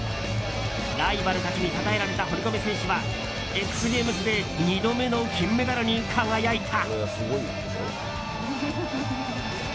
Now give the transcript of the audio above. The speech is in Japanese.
ライバルたちにたたえられた堀米選手はＸＧＡＭＥＳで２度目の金メダルに輝いた。